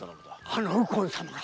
あの右近様が！